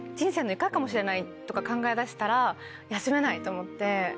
しれないとか考えだしたら休めないと思って。